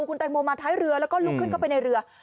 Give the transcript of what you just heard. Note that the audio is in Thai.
คุณแตงโมมาท้ายเรือแล้วก็ลุกขึ้นเข้าไปในเรือ